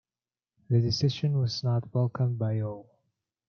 The decision was not welcomed by all.